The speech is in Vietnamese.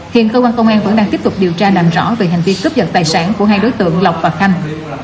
hiện cơ quan công an vẫn đang tiếp tục điều tra làm rõ về hành vi cướp giật tài sản của hai đối tượng lộc và khanh